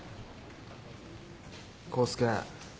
康介。